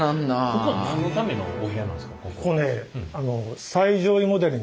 ここ何のためのお部屋なんですか？